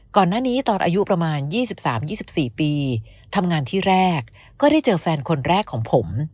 ก่อนหน้านี้ตอนอายุประมาณ๒๓๒๔ปีทำงานที่แรกก็ได้เจอแฟนคนแรกของผม